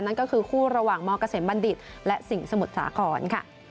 นั่นก็คือคู่ระหว่างมเกษมบัณฑิตและสิ่งสมุทรสาครค่ะ